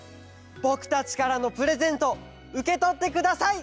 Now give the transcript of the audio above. ぼくたちからのプレゼントうけとってください。